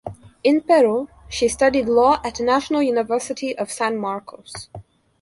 In Peru, she studied Law at National University of San Marcos.